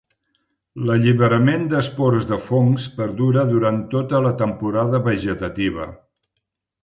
L'alliberament d'espores de fongs perdura durant tota la temporada vegetativa.